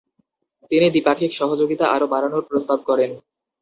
তিনি দ্বিপাক্ষিক সহযোগিতা আরো বাড়ানোর প্রস্তাব করেন।